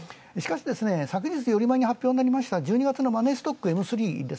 しかし、きのう発表になりました１２月のマネーストックＭ３